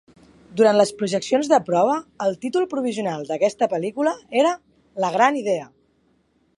Durant les projeccions de prova, el títol provisional d'aquesta pel·lícula era "La gran idea".